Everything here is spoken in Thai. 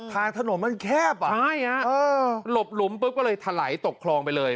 ทางถนนมันแคบอ่ะใช่ฮะหลบหลุมปุ๊บก็เลยถลายตกคลองไปเลย